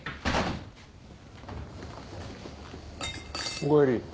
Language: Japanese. おかえり。